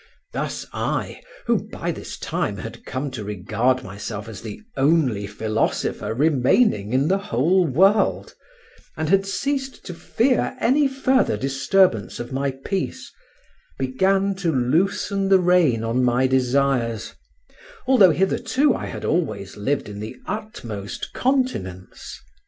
Thus I, who by this time had come to regard myself as the only philosopher remaining in the whole world, and had ceased to fear any further disturbance of my peace, began to loosen the rein on my desires, although hitherto I had always lived in the utmost continence.